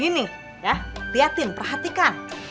gini yah liatin perhatikan